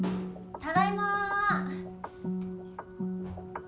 ただいま。